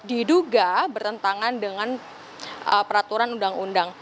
diduga bertentangan dengan peraturan undang undang